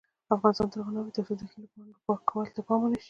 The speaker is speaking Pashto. افغانستان تر هغو نه ابادیږي، ترڅو د کلیو او بانډو پاکوالي ته پام ونشي.